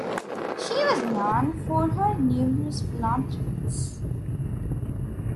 She was known for her numerous philanthropies.